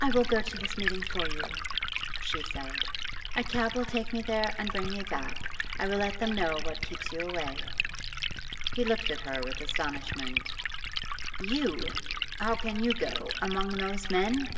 'I will go to this meeting for you,' she said. 'A cab will take me there and bring me back. I will let them know what keeps you away.' He looked at her with astonishment. 'You! How can you go? Among those men?